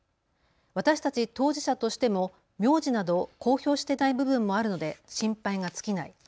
私たち当事者としても名字など公表していない部分もあるので心配が尽きない。